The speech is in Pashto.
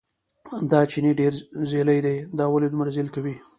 دا چیني ډېر ځېلی دی، دا ولې دومره ځېل کوي.